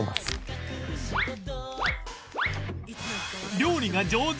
料理が上手？